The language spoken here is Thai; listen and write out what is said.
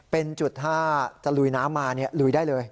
เป็นจุดถ้าจะลุยน้ำมาลุยได้เลย